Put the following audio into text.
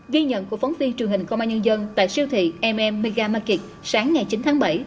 ghi nhận của phóng viên truyền hình công an nhân dân tại siêu thị mega makic sáng ngày chín tháng bảy